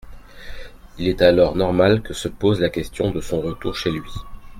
Il est alors normal que se pose la question de son retour chez lui.